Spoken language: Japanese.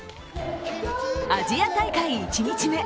アジア大会１日目。